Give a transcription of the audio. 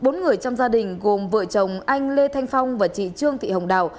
bốn người trong gia đình gồm vợ chồng anh lê thanh phong và chị trương thị hồng đào